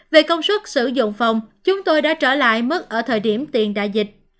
về công suất sử dụng phòng chúng tôi đã trở lại mức ở thời điểm tiền đại dịch